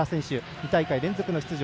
２大会連続の出場。